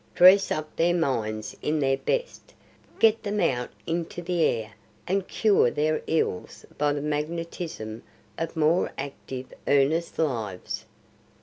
Dress up their minds in their best; get them out into the air; and cure their ills by the magnetism of more active, earnest lives."